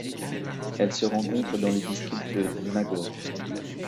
Elle se rencontre dans le district de Nagaur.